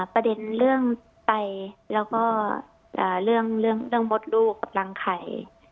ประเด็นเรื่องไตแล้วก็เรื่องมดลูกกับรังไข่